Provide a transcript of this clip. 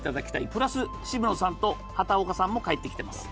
プラス渋野さんと畑岡さんも帰ってきています。